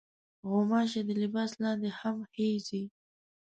غوماشې د لباس لاندې هم خېژي.